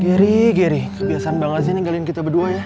gery gery kebiasaan banget sih ninggalin kita berdua ya